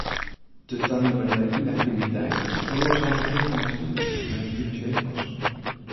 De tanimmende ynaktiviteit feroarsaket hege maatskiplike en finansjele kosten.